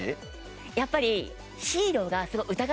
やっぱり。